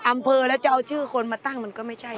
อำเภอแล้วจะเอาชื่อคนมาตั้งมันก็ไม่ใช่